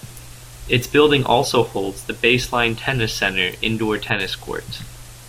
The building also holds the Baseline Tennis Center indoor tennis courts.